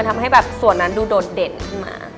ทำให้แบบส่วนนั้นดูโดดเด่นขึ้นมา